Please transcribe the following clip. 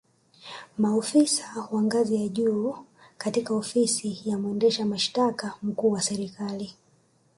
Maofisa wa ngazi za juu katika Ofisi ya mwendesha mashitaka mkuu wa Serikali